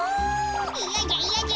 いやじゃいやじゃ。